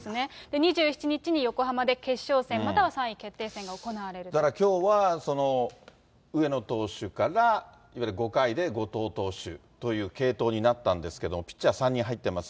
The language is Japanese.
２７日に横浜で決勝戦、だからきょうは、上野投手から、いわゆる５回で後藤投手という継投になったんですけれども、ピッチャー３人入ってます。